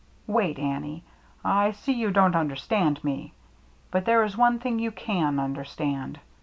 " Wait, Annie. I see you don't understand me. But there is one thing you can under stand.